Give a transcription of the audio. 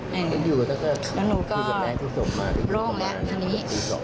แล้วหนูก็โล่งแล้วทีนี้